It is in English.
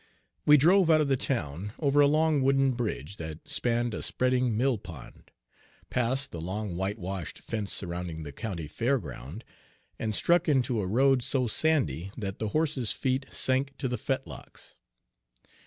We drove out of the town over a long wooden bridge that spanned a spreading mill pond, passed the long whitewashed fence surrounding the county fair ground, and struck into a road so sandy that the horse's feet Page 7 sank to the fetlocks.